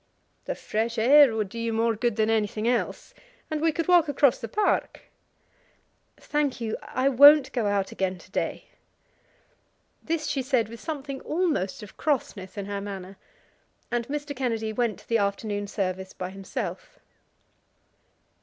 "The fresh air would do you more good than anything else, and we could walk across the park." "Thank you; I won't go out again to day." This she said with something almost of crossness in her manner, and Mr. Kennedy went to the afternoon service by himself.